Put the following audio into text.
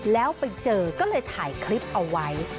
แล้วไปเจอก็เลยถ่ายคลิปเอาไว้